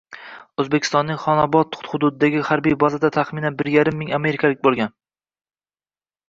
O‘zbekistonning Xonobod hududidagi harbiy bazada taxminan bir yarim ming amerikalik bo‘lgan